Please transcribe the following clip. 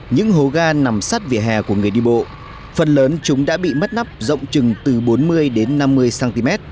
những hố ga nằm sát vỉa hè của người đi bộ phần lớn chúng đã bị mất nắp rộng chừng từ bốn mươi đến năm mươi cm